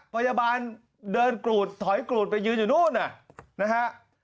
พยาบาลเดินกรุนถอยกรุนไปยืนอีกโน่นน่ะ